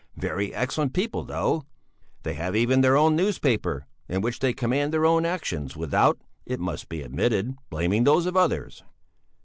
Very excellent people, though! They have even their own newspaper, in which they commend their own actions, without, it must be admitted, blaming those of others.